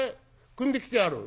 くんできてある？」。